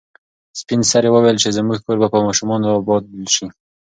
سپین سرې وویل چې زموږ کور به په ماشومانو اباد شي.